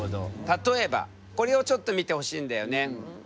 例えばこれをちょっと見てほしいんだよね。